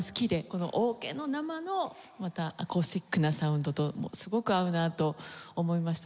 このオケの生のまたアコースティックなサウンドとすごく合うなと思いましたし。